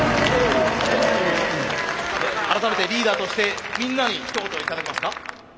改めてリーダーとしてみんなにひと言頂けますか？